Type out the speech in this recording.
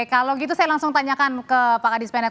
kalau gitu saya langsung tanyakan ke pak kadis penet